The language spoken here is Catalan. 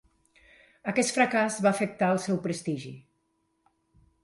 Aquest fracàs va afectar el seu prestigi.